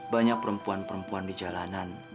banyak perempuan perempuan di jalanan